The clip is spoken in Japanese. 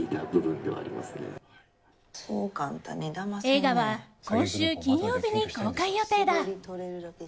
映画は今週金曜日に公開予定だ。